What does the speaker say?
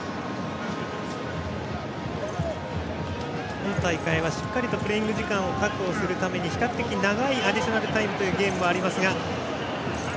今大会はしっかりとプレーイング時間を確保するために比較的長いアディショナルタイムというゲームもありますが。